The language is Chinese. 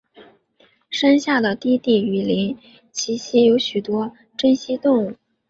山下的低地雨林栖息有许多珍稀动物。